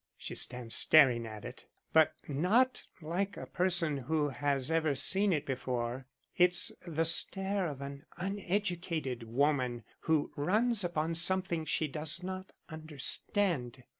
She stands staring at it, but not like a person who has ever seen it before. It's the stare of an uneducated woman who runs upon something she does not understand.